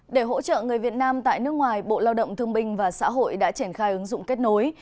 để hỗ trợ người việt nam tại nước ngoài bộ lao động thương binh và xã hội đã triển khai ứng dụng kết nối